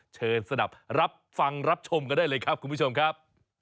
สนับสนุนรับฟังรับชมกันได้เลยครับคุณผู้ชมครับ